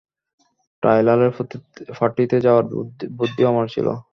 টায়লারের পার্টিতে যাওয়ার বুদ্ধিও আমার ছিল!